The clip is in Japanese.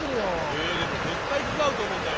えでも絶対気が合うと思うんだよ。